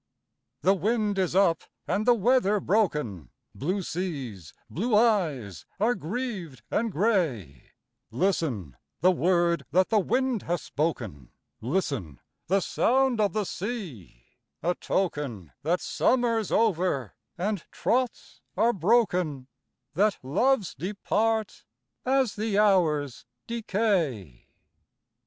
The wind is up, and the weather broken, Blue seas, blue eyes, are grieved and grey, Listen, the word that the wind has spoken, Listen, the sound of the sea,—a token That summer's over, and troths are broken,— That loves depart as the hours decay.